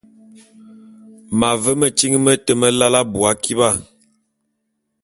M’ave metyiŋ mete meláe abui akiba.